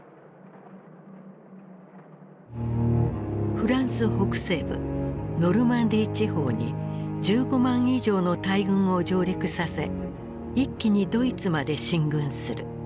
フランス北西部ノルマンディー地方に１５万以上の大軍を上陸させ一気にドイツまで進軍する。